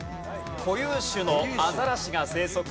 固有種のアザラシが生息。